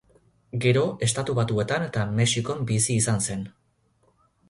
Gero Estatu Batuetan eta Mexikon bizi izan zen.